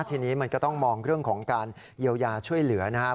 ทีนี้มันก็ต้องมองเรื่องของการเยียวยาช่วยเหลือนะครับ